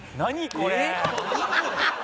これ！」